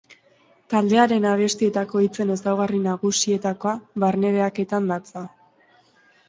Taldearen abestietako hitzen ezaugarri nagusietakoa barne-behaketan datza.